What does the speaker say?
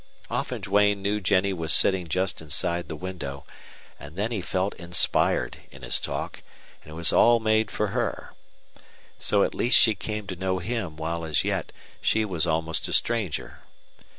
Often Duane knew Jennie was sitting just inside the window, and then he felt inspired in his talk, and it was all made for her. So at least she came to know him while as yet she was almost a stranger.